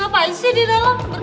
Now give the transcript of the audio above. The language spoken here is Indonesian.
kenapa sih di dalam